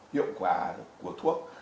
hiệu quả của thuốc